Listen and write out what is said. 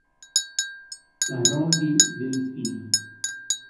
Parodi Delfino